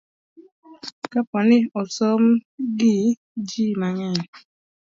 ka po ni osom gi ji mang'eny